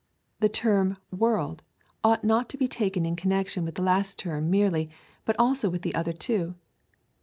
^ The term world, ought not to be taken in connection with the last term merely, but also with the other two.